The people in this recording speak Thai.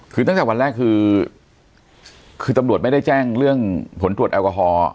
คือตั้งแต่วันแรกคือคือตำรวจไม่ได้แจ้งเรื่องผลตรวจแอลกอฮอล์